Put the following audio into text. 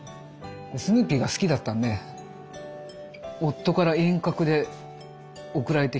スヌーピーが好きだったんで夫から遠隔で贈られてきて。